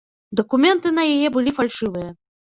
Дакументы на яе былі фальшывыя.